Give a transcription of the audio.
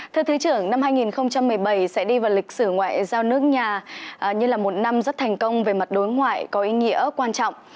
thưa thứ trưởng năm hai nghìn một mươi bảy sẽ đi vào lịch sử ngoại giao nước nhà như là một năm rất thành công về mặt đối ngoại có ý nghĩa quan trọng